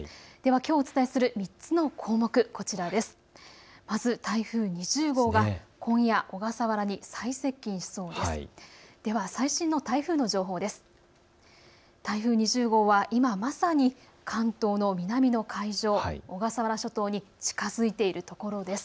きょうお伝えする３つの項目、こちらです。